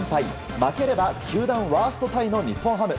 負ければ球団ワーストタイの日本ハム。